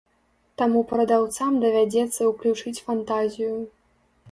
Таму прадаўцам давядзецца ўключыць фантазію.